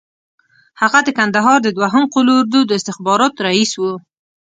هغه د کندهار د دوهم قول اردو د استخباراتو رییس وو.